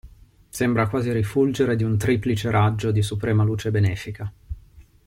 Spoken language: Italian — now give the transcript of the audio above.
Sembra quasi rifulgere di un triplice raggio di suprema luce benefica.